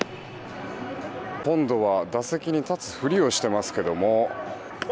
今度は打席に立つふりをしていますけども。